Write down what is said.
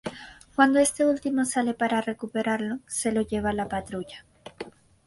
Cuando este último sale para recuperarlo, se lo lleva la patrulla.